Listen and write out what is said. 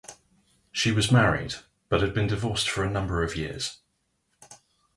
She was married, but has been divorced for a number of years.